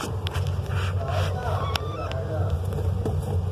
牢大回来了